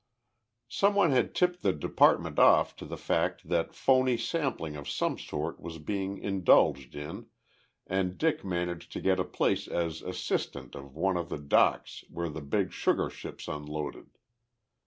Some one had tipped the department off to the fact that phony sampling of some sort was being indulged in and Dick managed to get a place as assistant on one of the docks where the big sugar ships unloaded.